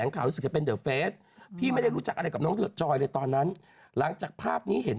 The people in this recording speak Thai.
นางคิดแบบว่าไม่ไหวแล้วไปกด